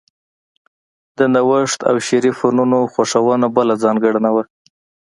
د نوښت او شعري فنونو خوښونه بله ځانګړنه وه